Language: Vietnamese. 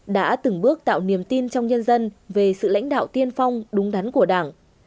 đã từng bước tạo niềm tin trong nhân dân về sự lãnh đạo tiên phong đúng đắn của đảng